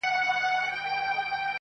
o بدكارمو كړی چي وركړي مو هغو ته زړونه.